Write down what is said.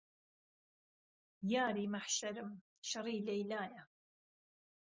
یاری مەحشەرم شەڕی لەیلایە